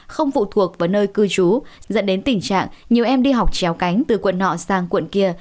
không phụ thuộc vào nơi cư trú dẫn đến tình trạng nhiều em đi học trèo cánh từ quận nọ sang quận kia